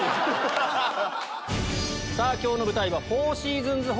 さぁ今日の舞台は。